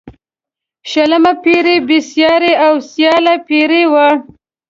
شلمه پيړۍ بې سیارې او سیاله پيړۍ وه.